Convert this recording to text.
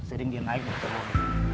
sering dia naik dia telur